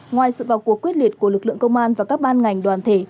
ngoài sự vào cuộc quyết liệt của lực lượng công an và các ban ngành đoàn thể